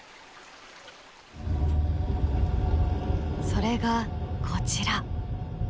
それがこちら。